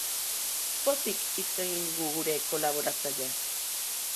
Pozik hitz egin digu gure kolaboratzaileak.